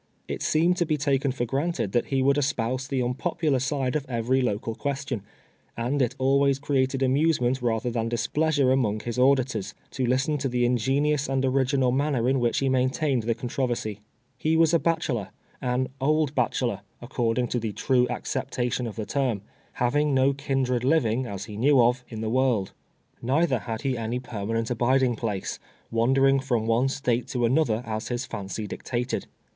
It seemed to be taken for granted that he would espouse the nnp()])ular side of every local question, and it al ways created amusement rather than displeasure among his auditors, to listen to the ingenious and original manner in which he maintained the contro versy. He was a bachelor — an " old bachelor," ac EASSj THE CARPENTER. 265 cording to the true acceptation of the term — liavins: no kindred living, as he knew of, in the world. Nei ther had he any permanent abiding place — wander ing from one State to another, as his fancy dictated.